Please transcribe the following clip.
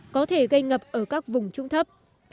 có thể gây ngập ở các vùng trung thấp